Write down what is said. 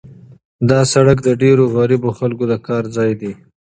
دا سړک د ډېرو غریبو خلکو د کار ځای دی.